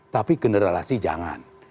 tapi generalisasi jangan